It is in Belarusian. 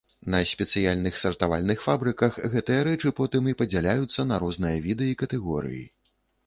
На спецыяльных сартавальных фабрыках гэтыя рэчы потым і падзяляюцца на розныя віды і катэгорыі.